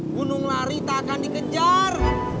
gunung lari tak akan dikejar